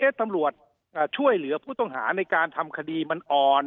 ตำรวจช่วยเหลือผู้ต้องหาในการทำคดีมันอ่อน